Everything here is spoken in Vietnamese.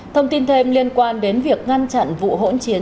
thông tin thêm liên quan đến việc ngăn chặn vụ hỗn chiến